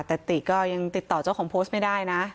แต่ติก็ยังติดต่อเจ้าของโพสต์ไม่ได้นะ